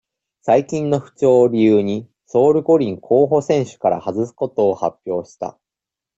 最近の不調を理由に、ソウル五輪候補選手から外すことを発表した。